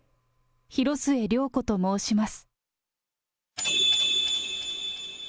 広末涼子と申します。